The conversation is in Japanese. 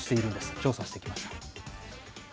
調査してきました。